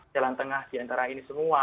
jalan tengah diantara ini semua